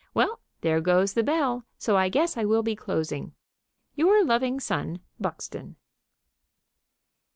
Well, there goes the bell, so I guess I will be closing. Your loving son, BUXTON.